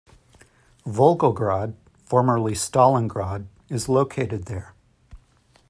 Volgograd, formerly Stalingrad, is located there.